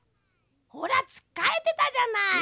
ほらつっかえてたじゃない！